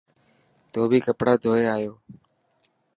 ڌوٻي ڪپڙا ڌوئي آيو.